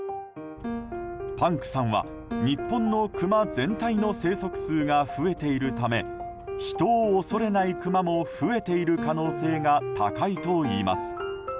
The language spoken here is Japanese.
パンクさんは日本のクマ全体の生息数が増えているため人を恐れないクマも増えている可能性が高いといいます。